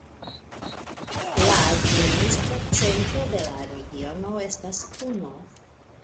La administra centro de la regiono estas Puno.